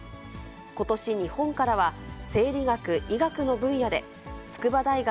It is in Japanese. ことし、日本からは生理学・医学の分野で、筑波大学